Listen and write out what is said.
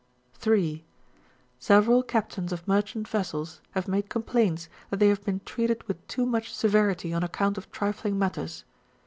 8. Several captains of merchant vessels have made complaints that they have been treated with too much severity on account of trifling matters.